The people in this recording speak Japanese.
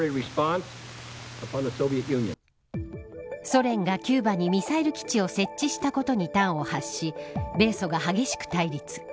ソ連がキューバにミサイル基地を設置したことに端を発し米ソが激しく対立。